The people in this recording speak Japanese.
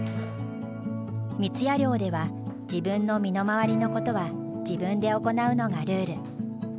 三矢寮では自分の身の回りのことは自分で行うのがルール。